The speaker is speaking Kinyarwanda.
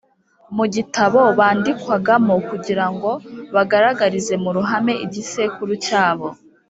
mu gitabo bandikwagamo kugira ngo bagaragarize mu ruhame igisekuru cyabo